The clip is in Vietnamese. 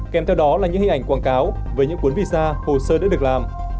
kèm theo đó là những hình ảnh quảng cáo về những cuốn visa hồ sơ đã được làm